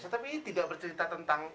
tapi ini tidak bercerita tentang